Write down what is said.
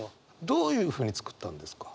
どういうふうに作ったんですか？